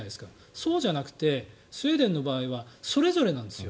そうじゃなくてスウェーデンの場合はそれぞれなんですよ。